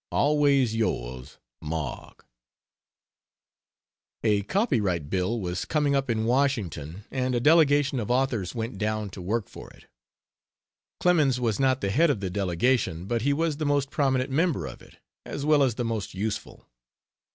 Always yours MARK A copyright bill was coming up in Washington and a delegation of authors went down to work for it. Clemens was not the head of the delegation, but he was the most prominent member of it, as well as the most useful.